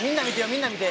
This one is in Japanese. みんな見て。